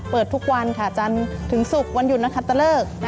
เปิดทุกวันค่ะจนถึงศุกร์วันหยุดและขัดเตอร์เลิก